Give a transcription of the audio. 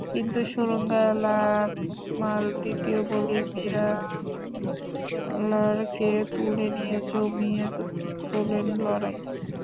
কিন্তু সুরঙ্গা লাকমাল দ্বিতীয় বলেই মিলারকে তুলে নিয়ে জমিয়ে তোলেন লড়াই।